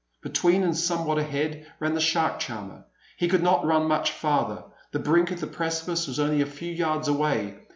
Between, and somewhat ahead, ran the shark charmer. He could not run much farther; the brink of the precipice was only a few yards away.